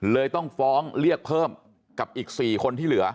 เลยต้องฟ้องเรียกเพิ่มกับอีก๔คนที่เหลือ